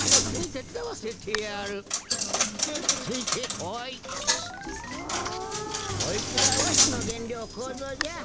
こいつがわしのげんりょうコウゾじゃ。